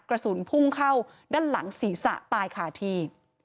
กระสุนพุ่งเข้าด้านหลังศีรษะตายขาดที่